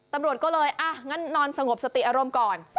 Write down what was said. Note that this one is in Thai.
ตำรวจก็เลยอ่ะงั้นนอนสงบสติอารมณ์ก่อน